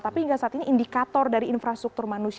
tapi hingga saat ini indikator dari infrastruktur manusia